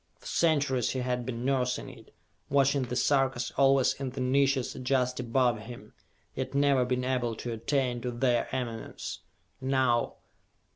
For centuries he had been nursing it, watching the Sarkas always in the niches just above him, yet never being able to attain to their eminence. Now....